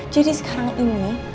jadi sekarang ini